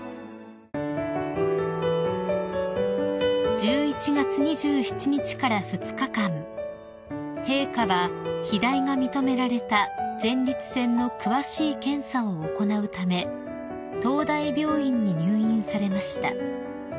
［１１月２７日から２日間陛下は肥大が認められた前立腺の詳しい検査を行うため東大病院に入院されました］